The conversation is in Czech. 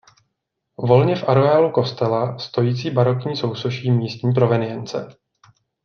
Volně v areálu kostela stojící barokní sousoší místní provenience.